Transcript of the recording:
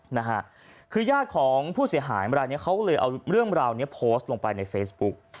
นะฮะคือญาติของผู้เสียหายเวลาเนี้ยเขาก็เลยเอาเรื่องราวเนี้ยโพสต์ลงไปในเฟซบุ๊ก